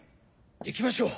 行きましょう。